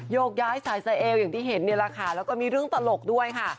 โยกย้ายสายสายเอวอย่างที่เห็นแล้วก็มีเรื่องตลกด้วยค่ะ